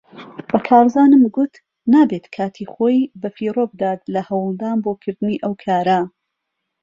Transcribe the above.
بە کارزانم گوت نابێت کاتی خۆی بەفیڕۆ بدات لە هەوڵدان بۆ کردنی ئەو کارە.